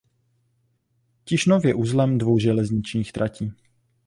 Tišnov je uzlem dvou železničních tratí.